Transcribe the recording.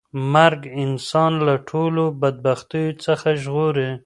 مرګ انسان له ټولو بدبختیو څخه ژغوري.